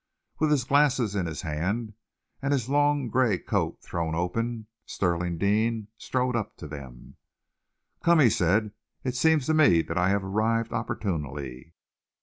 With his glasses in his hand, and his long gray coat thrown open, Stirling Deane strode up to them. "Come," he said, "it seems to me that I have arrived opportunely.